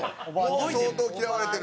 濱家：相当嫌われてる。